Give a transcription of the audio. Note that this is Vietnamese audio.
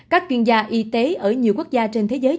các chuyên gia y tế ở nhiều quốc gia trên thế giới